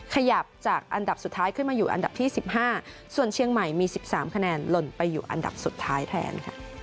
ขยับจากอันดับสุดท้ายขึ้นมาอยู่อันดับที่๑๕ส่วนเชียงใหม่มี๑๓คะแนนหล่นไปอยู่อันดับสุดท้ายแทน